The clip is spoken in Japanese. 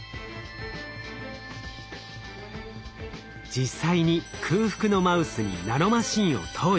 実際に空腹のマウスにナノマシンを投与。